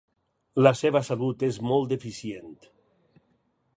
La seva salut és molt deficient.